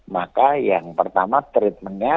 maka yang pertama treatmentnya